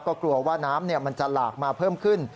ก็กลัวว่าน้ำมันจะหลากมาเพิ่มขึ้น